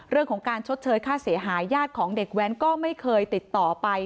เรื่องของการชดเชยค่าเสียหายญาติของเด็กแว้นก็ไม่เคยติดต่อไป